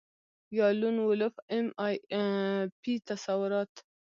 یا لون وولف ایم آی پي تصورات